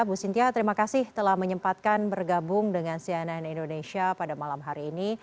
bu sintia terima kasih telah menyempatkan bergabung dengan cnn indonesia pada malam hari ini